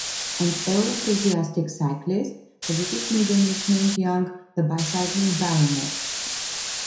An ever-enthusiastic cyclist, the British media nicknamed Young the "Bicycling Baronet".